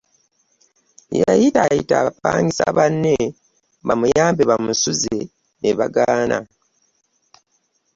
Yayitaayita bapangisa banne bamuyambe bamusuze ne bagaana.